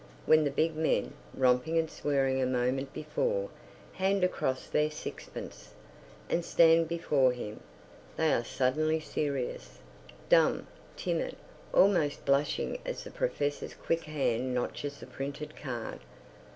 When the big men, romping and swearing a moment before, hand across their sixpence, and stand before him, they are suddenly serious, dumb, timid, almost blushing as the Professor's quick hand notches the printed card.